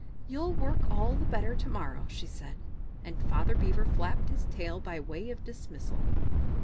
"You'll work all the better to morrow," she said; and Father Beaver flapped his tail by way of dismissal.